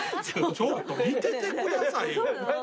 ちょっと見ててください。